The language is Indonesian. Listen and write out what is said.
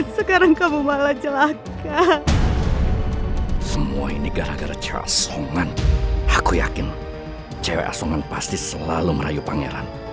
sampai jumpa di video selanjutnya